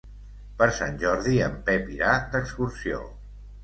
Per Sant Jordi en Pep irà d'excursió.